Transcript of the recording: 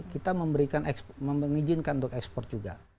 kita memberikan mengizinkan untuk ekspor juga